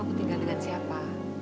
ditinggal dengan siapa